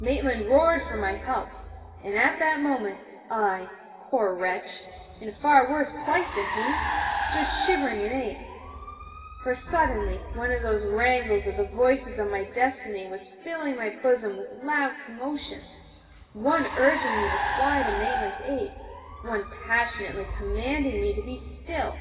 Maitland roared for my help: and at that moment, I, poor wretch, in far worse plight than he, stood shivering in ague: for suddenly one of those wrangles of the voices of my destiny was filling my bosom with loud commotion, one urging me to fly to Maitland's aid, one passionately commanding me be still.